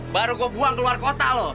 baru gue buang ke luar kota loh